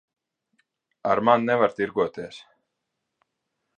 Ar mani nevar tirgoties.